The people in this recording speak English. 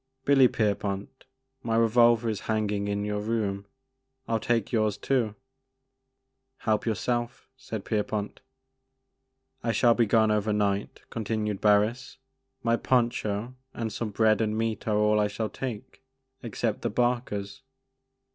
Billy Pierpont, my revolver is hanging in your room ; I '11 take yours too "" Help yourself,'* said Pierpont. I shall be gone over night," continued Barris ;" my poncho and some bread and meat are all I shall take except the 'barkers.'